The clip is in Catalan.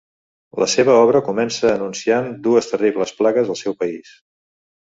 La seva obra comença anunciant dues terribles plagues al seu país.